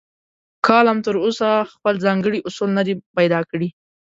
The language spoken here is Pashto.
کالم تراوسه خپل ځانګړي اصول نه دي پیدا کړي.